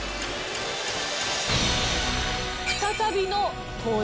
再びの登場